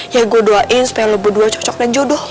ya gue doain supaya lo berdua cocok dan jodoh